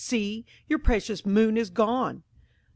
See! your precious moon is gone!"